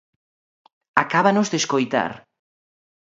Acábanos de escoitar.